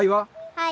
はい。